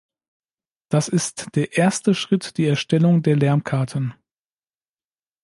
Das ist der erste Schritt die Erstellung der Lärmkarten.